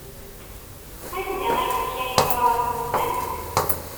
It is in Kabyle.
Anda ay kkan imuras-nsen?